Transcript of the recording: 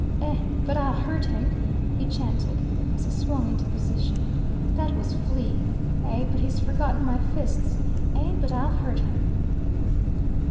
"Eh, but I'll hurt him," he chanted, as he swung into position. "That was Flea. Eh, but he's forgotten my fists; eh, but I'll hurt him."